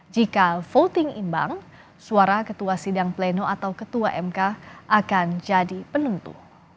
jika voting imbang suara ketua sidang pleno atau ketua mk akan jadi penentu